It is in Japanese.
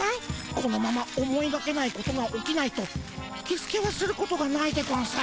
このまま思いがけないことが起きないとキスケはすることがないでゴンス。